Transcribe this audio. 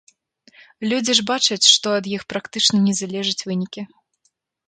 Людзі ж бачаць, што ад іх практычна не залежаць вынікі.